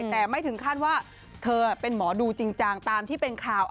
แต่ไม่ถึงขั้นว่าเธอเป็นหมอดูจริงจังตามที่เป็นข่าว